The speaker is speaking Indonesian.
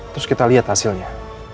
terus kita lihat hasilnya